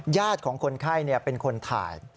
ญาติของคนไข้เนี่ยเป็นคนถ่าย